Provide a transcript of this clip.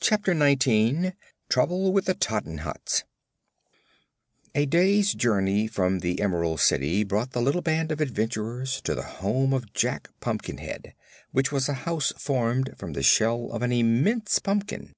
Chapter Nineteen Trouble with the Tottenhots A day's journey from the Emerald City brought the little band of adventurers to the home of Jack Pumpkinhead, which was a house formed from the shell of an immense pumpkin.